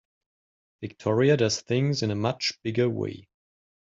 Victoria does things in a much bigger way.